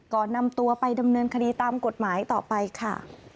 ก่อนนำตัวไปดำเนินคดีตามกฎหมายต่อไปค่ะ